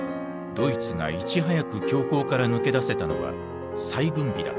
ドイツがいち早く恐慌から抜け出せたのは再軍備だった。